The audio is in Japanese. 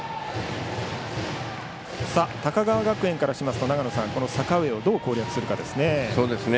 高川学園からしますと、阪上をどう攻略するかですね。